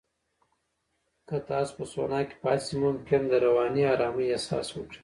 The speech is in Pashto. که تاسو په سونا کې پاتې شئ، ممکن رواني آرامۍ احساس وکړئ.